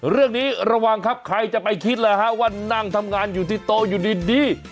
เรื่องนี้ระวังครับใครจะไปคิดเลยฮะว่านั่งทำงานอยู่ที่โต๊ะอยู่ดี